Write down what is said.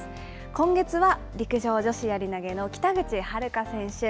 今月は陸上女子やり投げの北口榛花選手。